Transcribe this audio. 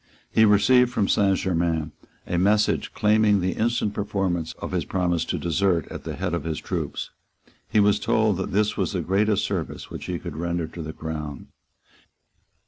He received from Saint Germains a message claiming the instant performance of his promise to desert at the head of his troops. He was told that this was the greatest service which he could render to the Crown.